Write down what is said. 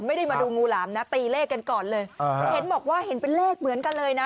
ไม่ได้มาดูงูหลามนะตีเลขกันก่อนเลยอ่าเห็นบอกว่าเห็นเป็นเลขเหมือนกันเลยนะ